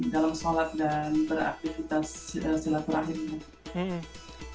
dalam sholat dan beraktivitas silaturahimnya